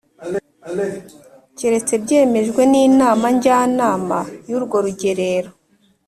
keretse byemejwe n Inama Njyanama y urwo rugereko